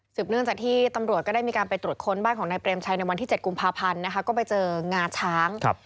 เนื่องจากที่ตำรวจก็ได้มีการไปตรวจค้นบ้านของนายเปรมชัยในวันที่๗กุมภาพันธ์นะคะก็ไปเจองาช้างครับ